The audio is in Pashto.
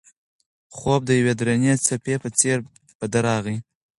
خوب د یوې درنې څپې په څېر په ده راغی.